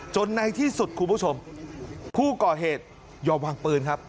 ในที่สุดคุณผู้ชมผู้ก่อเหตุยอมวางปืนครับ